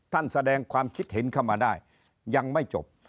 แสดงความคิดเห็นเข้ามาได้ยังไม่จบ